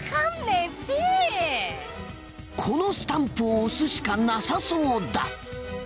このスタンプを押すしかなさそうだ。